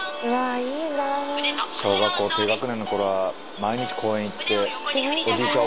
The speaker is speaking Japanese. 小学校低学年のころは毎日公園行っておじいちゃん